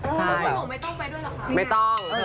จะสนุกไม่ต้องไปด้วยหรือคะ